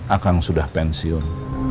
akang sudah pensiun